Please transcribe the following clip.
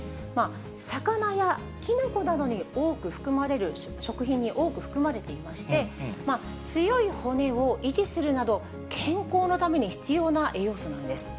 魚やキノコなどに多く含まれる食品に多く含まれていまして、強い骨を維持するなど、健康のために必要な栄養素なんです。